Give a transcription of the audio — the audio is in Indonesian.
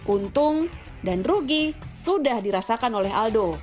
untung dan rugi sudah dirasakan oleh aldo